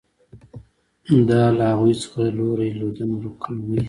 دا له هغوی څخه لوری لودن ورک کوي.